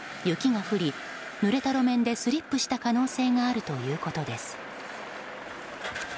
雪が降り、ぬれた路面でスリップした可能性があるということです。